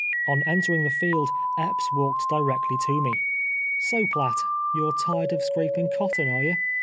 On entering the Held, E2){)S walked directly to me. '' So, Phitt, you're tired of scraping cotton, are you?